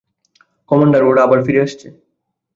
Commander, ওরা আবার ফিরে এসেছে!